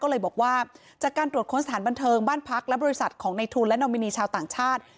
ก็เลยบอกว่าจากการตรวจค้นสถานบันเทิงบ้านพักและบริษัทของในทุนและนอมินีชาวต่างชาติ